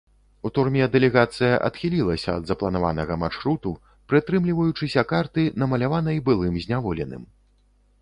У турме дэлегацыя адхілілася ад запланаванага маршруту, прытрымліваючыся карты, намаляванай былым зняволеным.